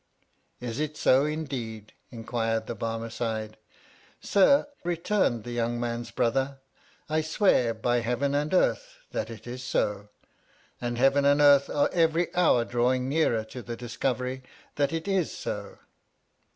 Is it so, indeed ? inquired the Barnie cide. Sir, returned the young man's brother, I swear by Heaven and Earth that it is so, and Heaven and Earth are every hour draw ing nearer to the discovery that it is so.